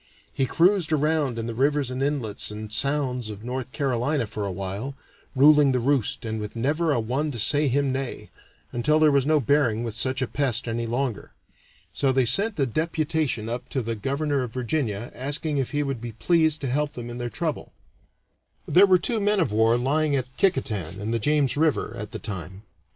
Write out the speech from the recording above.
He cruised around in the rivers and inlets and sounds of North Carolina for a while, ruling the roost and with never a one to say him nay, until there was no bearing with such a pest any longer. So they sent a deputation up to the Governor of Virginia asking if he would be pleased to help them in their trouble. There were two men of war lying at Kicquetan, in the James River, at the time.